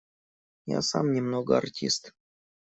Я сам немного артист.